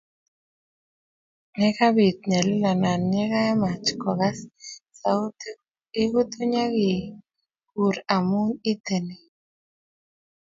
Ye kabit nyalil anan yekemach kokas sautik kuk ikutuny akikur amu iteni.